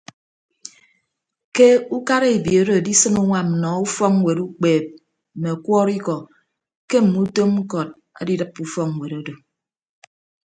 Ke ukara ebiooro adisịn uñwam nnọọ ufọkñwet ukpeep mme ọkwọrọikọ ke mme utom ñkọt adidịppe ufọkñwet odo.